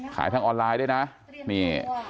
ขายทั้งออนไลน์ด้วยนะนี่